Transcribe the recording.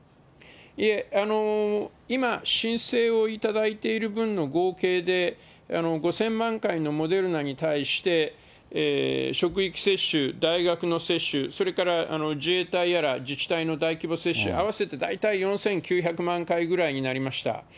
いえ、今、申請を頂いている分の合計で、５０００万回のモデルナに対して、職域接種、大学の接種、それから自衛隊やら自治体の大規模接種、合わせて大体４９００万回ぐらいになりました。